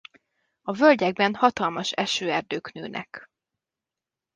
A völgyekben hatalmas esőerdők nőnek.